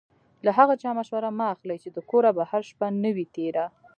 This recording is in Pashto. له هغه چا مشوره مه اخلئ چې د کوره بهر شپه نه وي تېره.